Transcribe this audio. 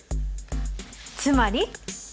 つまり！